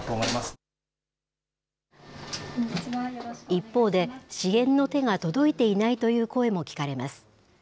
一方で、支援の手が届いていないという声も聞かれます。